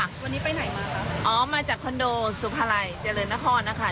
วันนี้ไปไหนมาคะอ๋อมาจากคอนโดสุภาลัยเจริญนครนะคะ